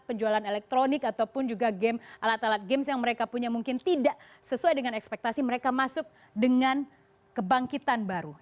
penjualan elektronik ataupun juga game alat alat games yang mereka punya mungkin tidak sesuai dengan ekspektasi mereka masuk dengan kebangkitan baru